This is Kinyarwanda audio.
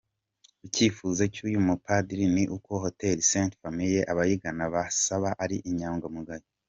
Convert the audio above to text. Icyifuzo cy’uyu mupadiri ni uko Hotel Ste Famille abayigana bazaba ari inyangamugayo.